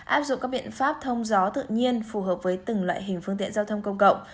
áp dụng các biện pháp thông gió tự nhiên phù hợp với từng loại hình phương tiện giao thông công cộng